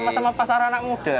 sama sama pasar anak muda